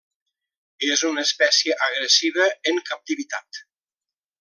És una espècie agressiva en captivitat.